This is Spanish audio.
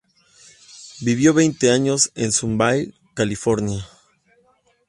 Vivió veinte años en Sun Valley, California.